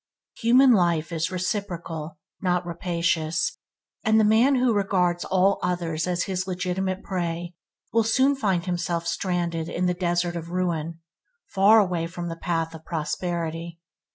Human life is reciprocal, not rapacious, and the man who regards all others as his legitimate prey will soon find himself stranded in the desert of ruin, far away from the path of prosperity.